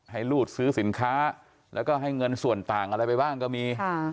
ให้รูดซื้อสินค้าแล้วก็ให้เงินส่วนต่างอะไรไปบ้างก็มี